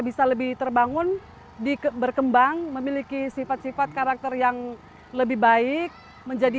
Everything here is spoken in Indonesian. bisa lebih terbangun di berkembang memiliki sifat sifat karakter yang lebih baik menjadi